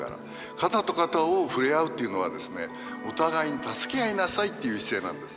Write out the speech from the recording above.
肩と肩を触れ合うっていうのはですねお互いに助け合いなさいっていう姿勢なんです。